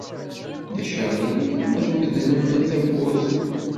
Ulac aɣilif ma tmedlemt tawwurt?